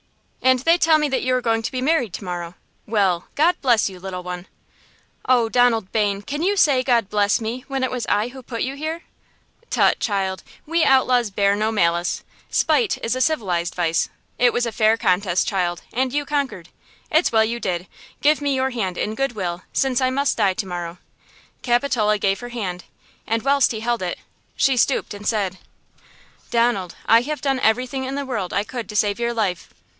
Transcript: And they tell me that you are going to be married tomorrow! Well! God bless you, little one!" "Oh, Donald Bayne! Can you say God bless me, when it was I who put you here?" "Tut, child, we outlaws bear no malice. Spite is a civilized vice. It was a fair contest, child, and you conquered. It's well you did. Give me your hand in good will, since I must die to morrow!" Capitola gave her hand, and whilst he held it, she stooped and said: "Donald, I have done everything in the world I could to save your life!"